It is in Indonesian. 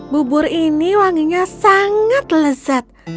bubur ini wanginya sangat lezat